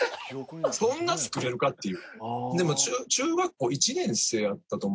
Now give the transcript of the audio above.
そんな作れるかっていう。